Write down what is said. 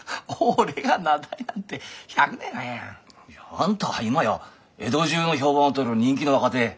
あんたは今や江戸中の評判を取る人気の若手。